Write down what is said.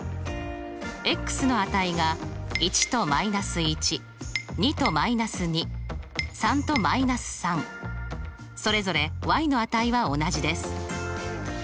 の値が１と−１２と−２３と−３それぞれの値は同じです。